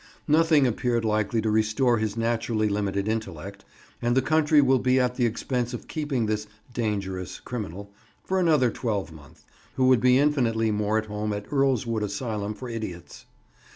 Nothing appeared likely to restore his naturally limited intellect, and the country will be at the expense of keeping this "dangerous criminal" for another twelvemonth, who would be infinitely more at home at Earlswood Asylum for Idiots.